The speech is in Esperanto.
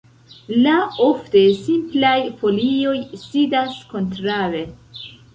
La ofte simplaj folioj sidas kontraŭe.